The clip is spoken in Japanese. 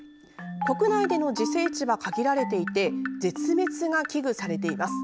国内での自生地は限られていて絶滅が危惧されています。